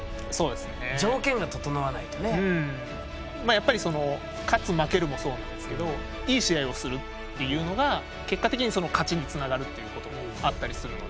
やっぱり勝つ負けるもそうなんですけどいい試合をするっていうのが結果的に勝ちにつながるっていうこともあったりするので。